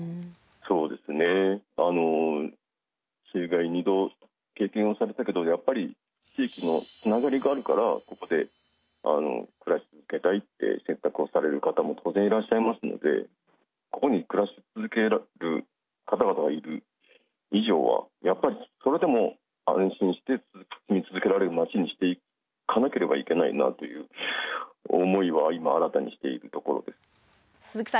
水害２度経験をされたけどやっぱり地域のつながりがあるからここで暮らし続けたいって選択をされる方も当然いらっしゃいますのでここに暮らし続けられる方々がいる以上はやっぱりそれでも安心して住み続けられる町にしていかなければいけないなという思いは今新たにしているところです。